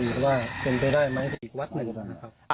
ดูว่าเป็นไปได้มันอีกวัดหนึ่งก็ได้นะครับ